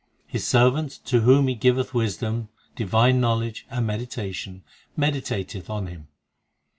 His servant to whom He giveth wisdom, divine know ledge, and meditation, Meditateth on Him.